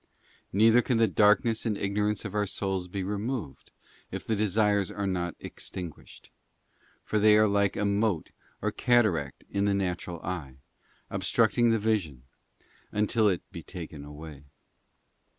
Neither _ can the darkness and ignorance of our souls be removed, if the desires are not extinguished: for they are like a mote or cataract in the natural eye, obstructing the vision, until it be taken away.